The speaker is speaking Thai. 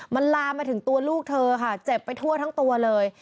มันลามมาถึงตัวลูกเธอค่ะเจ็บไปทั่วทั้งตัวเลย